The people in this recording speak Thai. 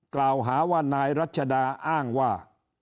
กล่าวหาว่านายรัชดาอ้างว่า